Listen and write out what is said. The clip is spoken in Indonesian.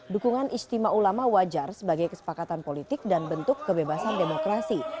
dukungan istimewa ulama wajar sebagai kesepakatan politik dan bentuk kebebasan demokrasi